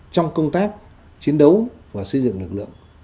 trong công tác chiến đấu và xây dựng lực lượng